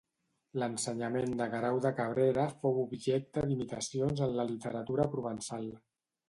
L'ensenyament de Guerau de Cabrera fou objecte d'imitacions en la literatura provençal.